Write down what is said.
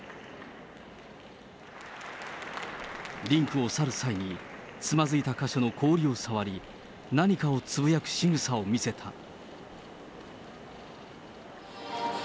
リンクを去る際に、つまずいた個所の氷を触り、何かをつぶやくしぐさを見せた。